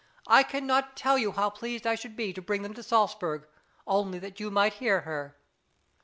I cannot tell you how pleased I should be to bring them to Salsburg, only that you might hear her.